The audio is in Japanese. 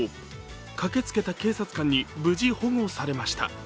駆けつけた警察官に無事、保護されました。